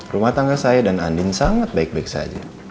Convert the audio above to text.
rumah tangga saya dan andin sangat baik baik saja